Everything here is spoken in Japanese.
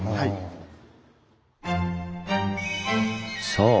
そう！